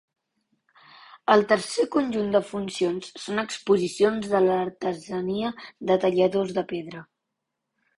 El tercer conjunt de funcions són exposicions de l'artesania de talladors de pedra.